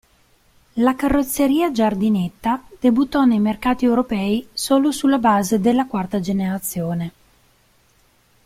La carrozzeria giardinetta debuttò nei mercati europei solo sulla base della quarta generazione.